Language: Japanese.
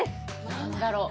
何だろう？